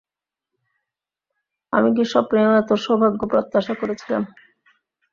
আমি কি স্বপ্নেও এত সৌভাগ্য প্রত্যাশা করিয়াছিলাম।